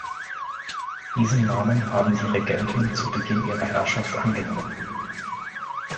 Diesen Namen haben die Regenten zu Beginn ihrer Herrschaft angenommen.